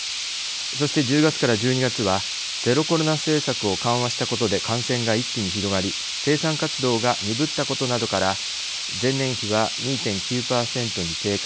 そして１０月から１２月はゼロコロナ政策を緩和したことで感染が一気に広がり生産活動が鈍ったことなどから前年比は２．９％に低下。